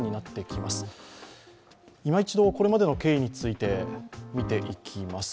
いま一度、これまでの経緯についてみていきます。